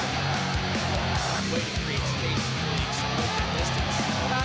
นั่นคือสิ่งที่เราต้องคิดว่ามันจะเป็นอะไรหรือเปล่า